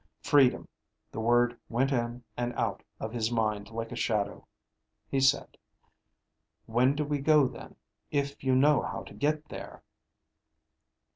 Freedom. The word went in and out of his mind like a shadow. He said, "When do we go then, if you know how to get there?"